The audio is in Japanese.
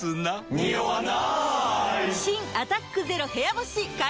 ニオわない！